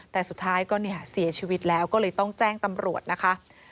แต่สุดท้ายก็เนี่ยเสียชีวิตแล้วก็เลยต้องแจ้งตำรวจนะคะ